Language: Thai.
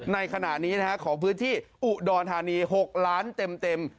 ในขณะนี้ของพื้นที่อุดรธานี๖ล้านเต็ม